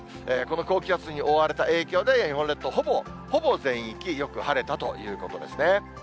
この高気圧に覆われた影響で、日本列島、ほぼ全域、よく晴れたということですね。